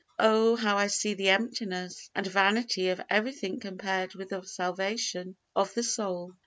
Oh, how I see the emptiness and vanity of everything compared with the salvation of the soul!